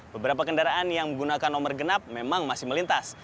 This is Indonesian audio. beberapa kendaraan yang menggunakan nomor genap memang masih melintas